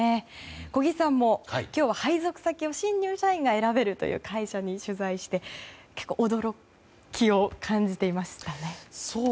小木さんも、今日は配属先を新入社員が選べるという会社を取材して、結構驚きを感じていましたね。